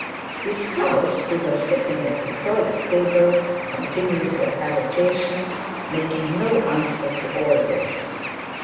His spouse who was sitting at her toilet table, continued her avocations, making no answer to all this.